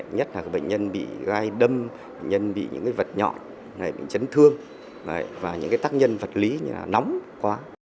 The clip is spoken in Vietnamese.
nhất là bệnh nhân bị gai đâm nhân bị những vật nhọn chấn thương và những tác nhân vật lý nóng quá